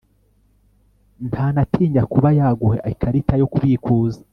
ntanatinya kuba yaguha ikarita yo kubikuza